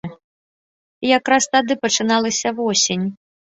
Якраз тады пачыналася восень.